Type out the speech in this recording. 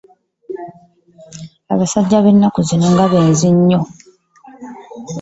Abasajja b'ennaku zino nga benzi nnyo.